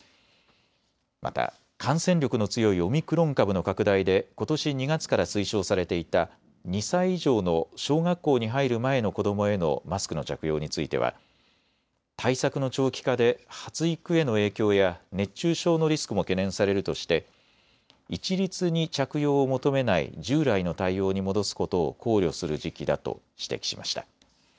また感染力の強いオミクロン株の拡大でことし２月から推奨されていた２歳以上の小学校に入る前の子どもへのマスクの着用については対策の長期化で発育への影響や熱中症のリスクも懸念されるとして一律に着用を求めない従来の対応に戻すことを考慮する時期だと指摘しました。